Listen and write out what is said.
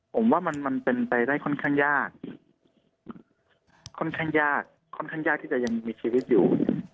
ผมว่ามันเป็นไปได้ค่อนข้างยากค่อนข้างยากค่อนข้างยากที่จะยังมีชีวิตอยู่